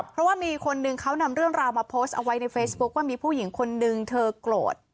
เพราะว่ามีคนนึงเขานำเรื่องราวมาโพสต์เอาไว้ในเฟซบุ๊คว่ามีผู้หญิงคนนึงเธอโกรธ